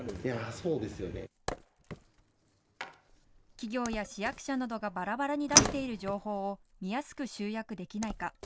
企業や市役所などがばらばらに出している情報を見やすく集約できないか。